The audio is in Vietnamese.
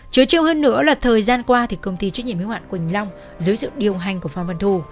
chứa chiều hơn nữa là thời gian qua thì công ty trách nhiệm hiệu hoạn quỳnh long dưới sự điều hành của phan văn thù